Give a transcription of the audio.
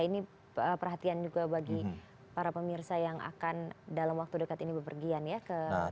ini perhatian juga bagi para pemirsa yang akan dalam waktu dekat ini bepergian ya ke